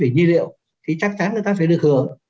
giá tăng nhân liệu thì chắc chắn người ta phải được hưởng